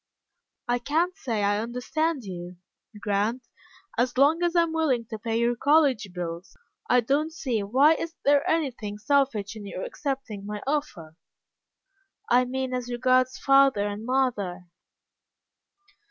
"I can't say I understand you, Grant. As long as I am willing to pay your college bills, I don't see why there is anything selfish in your accepting my offer." "I mean as regards father and mother."